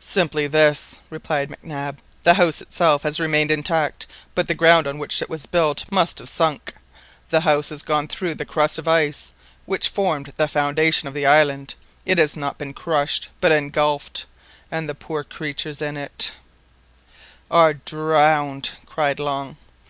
"Simply this," replied Mac Nab, "the house itself has remained intact, but the ground on which it was built must have sunk. The house has gone through the crust of ice which forms the foundation of the island. It has not been crushed, but engulfed, and the poor creatures in it"—— "Are drowned!" cried Long.